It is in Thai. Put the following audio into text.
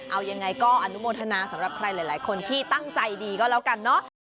เอายังไงก็อนุโมทนาสำหรับใครหลายคนที่ตั้งใจดีก็แล้วกันเนาะ